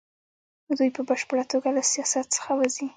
دوی په بشپړه توګه له سیاست څخه وځي.